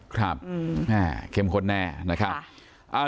ครับเข้มข้นแน่นะคะ